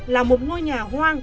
làm một ngôi nhà hoang